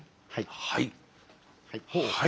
はい。